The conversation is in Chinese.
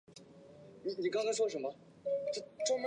皇家荷兰空军现在是独立的军种。